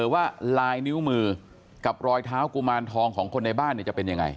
ว่าลายนิ้วมือกับรอยเท้ากุมารทองของคนในบ้านจะเป็นยังไง